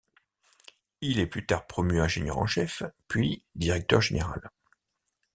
Il est plus tard promu ingénieur en chef, puis directeur général.